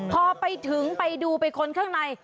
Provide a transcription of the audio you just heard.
พอไปถึงไปดูไปค้นข้างใน